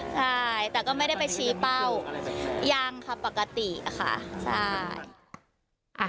ใช่แต่ก็ไม่ได้ไปชี้เป้ายังค่ะปกติค่ะใช่